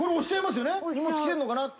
荷物来てんのかなって。